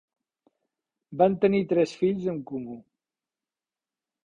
Van tenir tres fills en comú.